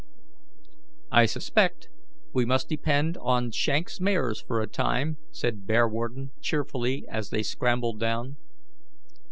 "I suspect we must depend on shank's mares for a time," said Bearwarden, cheerfully, as they scrambled down.